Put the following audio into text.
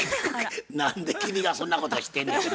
何で君がそんなこと知ってんねや。